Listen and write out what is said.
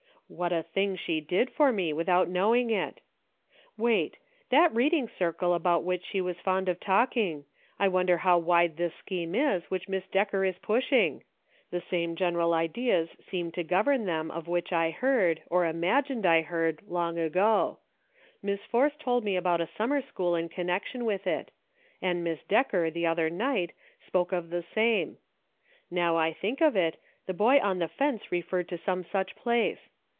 What a thing she did for me, without knowing it ! Wait ! That reading circle about which she was fond of talking — I wonder how wide this scheme is which Miss Decker is pushing. * The same gen eral ideas seem to govern them of which I heard, 312 CIRCLES WITHIN CIRCLES, or imagined I heard, long ago. Miss Force told about a summer school in connection with it — and Miss Decker, the other night, spoke of the same. Now I think of it, the boy on the fence referred to some such place.